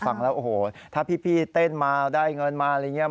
ฟังแล้วโอ้โหถ้าพี่เต้นมาได้เงินมาอะไรอย่างนี้